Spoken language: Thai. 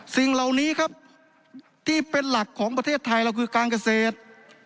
สิ่งเหล่านี้ครับที่เป็นหลักของประเทศไทยเราคือการเกษตร